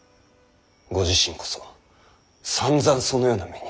ご自身こそさんざんそのような目に。